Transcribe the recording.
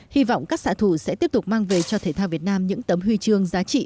hy vọng các xã thủ sẽ tiếp tục mang về cho thể thao việt nam những tấm huy chương giá trị